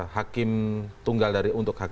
hakim tunggal dari untuk